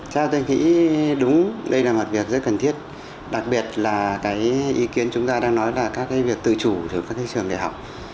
chào tên khỉ đúng đây là một việc rất cần thiết đặc biệt là cái ý kiến chúng ta đang nói là các cái việc tự chủ của các cái trường đại học